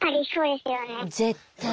絶対。